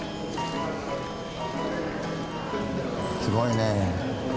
すごいねえ。